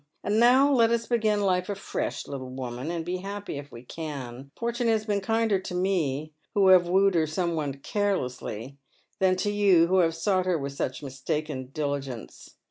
And now let us begin life afi esh, little woman, and be happy if we can. Fortune has been kinder to me — who have wooed her somewhat carelessly — than to you who have sought her with such mistaken diligence.